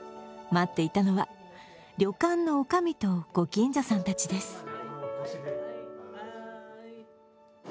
待っていたのは旅館のおかみとご近所さんたちです。